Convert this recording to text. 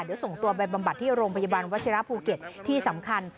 เดี๋ยวส่งตัวไปบำบัดที่โรงพยาบาลวัชิระภูเก็ตที่สำคัญ